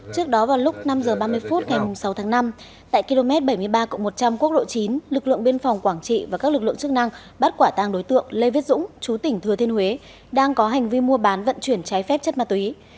trước đó vào lúc năm h ba mươi phút ngày sáu tháng năm tại km bảy mươi ba một trăm linh quốc độ chín lực lượng biên phòng quảng trị và các lực lượng chức năng bắt quả tàng đối tượng lê viết dũng chú tỉnh thừa thiên huế đang có hành vi mua bán vận chuyển trái phép chất ma túy